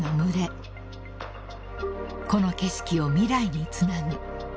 ［この景色を未来につなぐ］